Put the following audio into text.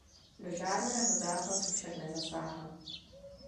Do žádného zápasu však nezasáhl.